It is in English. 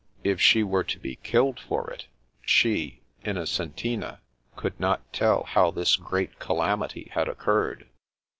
If she were to be killed for it, she — Innocentina— coulcj not tell how this great calamity had occurred.